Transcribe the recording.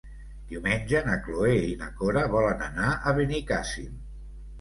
Diumenge na Cloè i na Cora volen anar a Benicàssim.